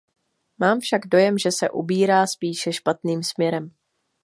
Mám však dojem, že se ubírá spíše špatným směrem.